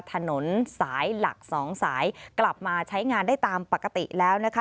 ถนนสายหลักสองสายกลับมาใช้งานได้ตามปกติแล้วนะคะ